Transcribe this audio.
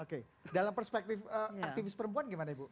oke dalam perspektif aktivis perempuan gimana ibu